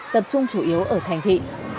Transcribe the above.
tập trung chủ yếu ở thành thị